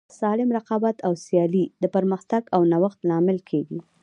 سالم رقابت او سیالي د پرمختګ او نوښت لامل کیږي.